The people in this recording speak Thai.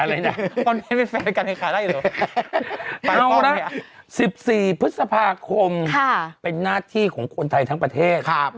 อะไรนะตอนนี้เป็นแฟนกันให้ขาได้หรอเอาละ๑๔พฤษภาคมเป็นหน้าที่ของคนไทยทั้งประเทศ